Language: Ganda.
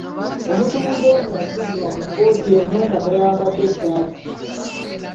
Omusuubuzi ono yasimbibwa mu kkooti eno nga tayambadde ssaati.